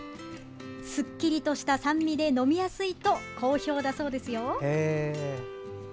すっきりとした酸味で飲みやすいと好評だそうですよ。